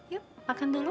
yuk makan dulu